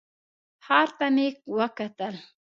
ښار ته مې وکتل.